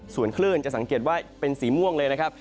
ส่วนคลื่นจะสังเกตว่าเป็นสีม่วงเลยนะครับ